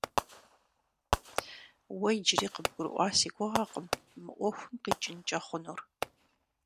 Уэ иджыри къыбгурыӀуа си гугъэкъым мы Ӏуэхум къикӀынкӀэ хъунур.